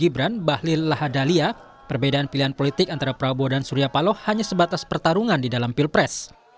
gibran bahlil lahadalia perbedaan pilihan politik antara prabowo dan surya paloh hanya sebatas pertarungan di dalam pilpres